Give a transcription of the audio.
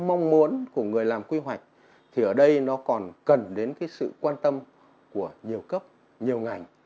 mong muốn của người làm quy hoạch thì ở đây nó còn cần đến cái sự quan tâm của nhiều cấp nhiều ngành